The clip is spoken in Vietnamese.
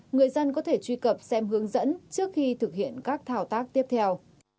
người dân có thể truy cập xem hướng dẫn trước khi thực hiện các thao tác tiếp theo